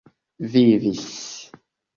vivis